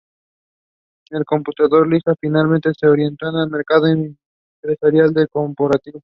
El computador Lisa finalmente se orientó al mercado empresarial corporativo.